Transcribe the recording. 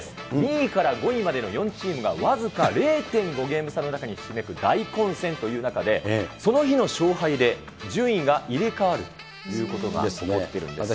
２位から５位までの４チームが僅か０．５ゲーム差の中にひしめく大混戦という中で、その日の勝敗で順位が入れ代わるということが起きているんです。